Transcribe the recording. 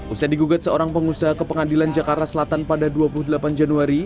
usai digugat seorang pengusaha ke pengadilan jakarta selatan pada dua puluh delapan januari